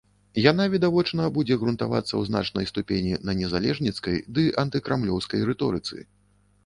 Яна, відавочна, будзе грунтавацца ў значнай ступені на незалежніцкай ды антыкрамлёўскай рыторыцы.